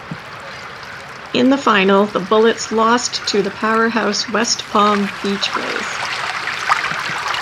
In the final the Bullets lost to the powerhouse West Palm Beach Blaze.